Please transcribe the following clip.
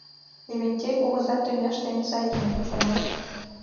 «Левентей кугыза тӱняште эн сай еҥ», шоналтыш.